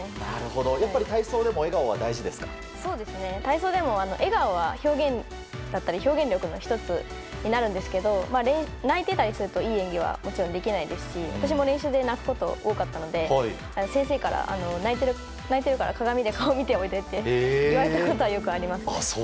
やっぱり体操でも笑顔はそうですね、体操でも笑顔は表現力の１つになるんですけど泣いていたりするといい演技はもちろんできないですし私も練習で泣くことが多かったので先生から、泣いてるから鏡で顔を見ておいでと言われたことは、よくありますね。